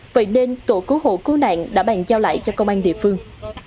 vậy nên tổ cứu hộ cứu nạn đã bàn giao lại cho công an địa phương